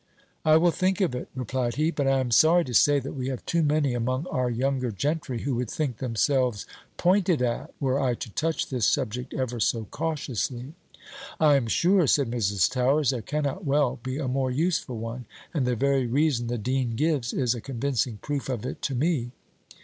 "I will think of it," replied he, "but I am sorry to say, that we have too many among our younger gentry who would think themselves pointed at were I to touch this subject ever so cautiously." "I am sure," said Mrs. Towers, "there cannot well be a more useful one; and the very reason the dean gives, is a convincing proof of it to me."